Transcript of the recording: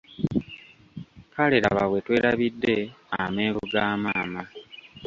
Kale laba bwe twerabidde amenvu ga maama.